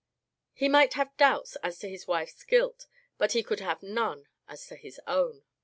He might have doubts as to his wife's guilt, but he could have none as to his own.